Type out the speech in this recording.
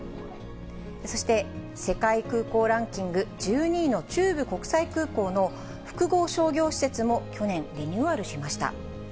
そして、世界空港ランキング１２位の中部国際空港の複合商業施設も、去年、リニューアルしました。